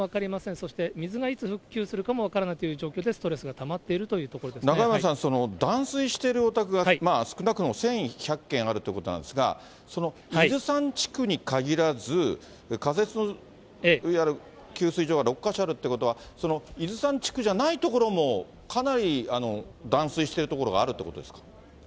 そして、水がいつ復旧するかも分からないという状況で、ストレスがたまっているというとこ中山さん、断水しているお宅が、少なくとも１１００軒あるということなんですが、その伊豆山地区に限らず、仮設のいわゆる給水所が６か所あるということは、その伊豆山地区じゃない所もかなり断水している所があるというこ